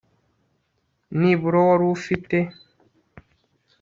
nibura wari ufite